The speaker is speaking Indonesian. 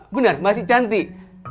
benar masih cantik